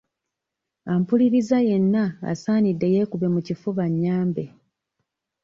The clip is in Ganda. Ampuliriza yenna asaanidde yeekube mu kifuba annyambe.